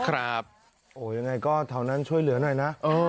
อย่างไรก็เท่านั้นช่วยเหลือหน่อยนะ